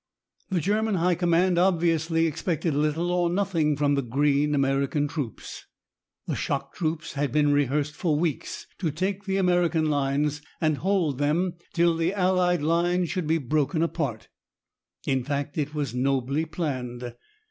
The German high command obviously expected little or nothing from the "green American troops." The shock troops had been rehearsed for weeks to take the American lines and hold them till the Allied line should be broken apart. In fact, it was nobly planned.